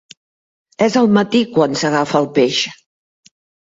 És al matí quan s'agafa el peix.